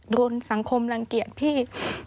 โดนสังคมรังเกียจพี่